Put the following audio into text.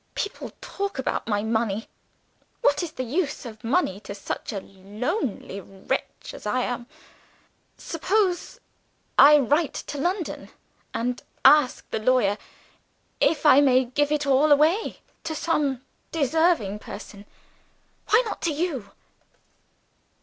People talk about my money! What is the use of money to such a lonely wretch as I am? Suppose I write to London, and ask the lawyer if I may give it all away to some deserving person? Why not to you?"